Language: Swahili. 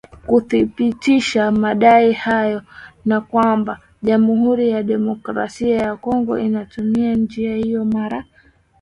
kuthibitisha madai hayo na kwamba Jamuhuri ya Demokrasia ya Kongo ingetumia njia hiyo mara moja iwapo walikuwa na nia nzuri